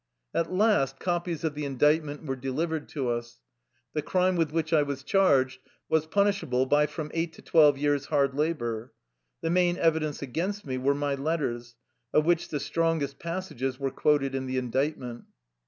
At last copies of the indictment were delivered to us. The crime with which I was charged was punishable by from eight to twelve years' hard labor. The main evidence against me were my letters, of which the strongest passages were quoted in the indictment.